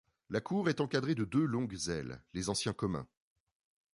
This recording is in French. La cour est encadrée de deux longues ailes, les anciens communs.